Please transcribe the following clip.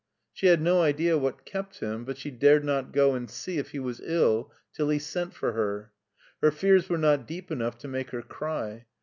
She had no idea what kept him, but she dared not go and see if he was ill till he sent, for her. Her fears were not deep enough to make her cry.